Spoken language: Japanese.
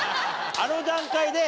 あの段階で。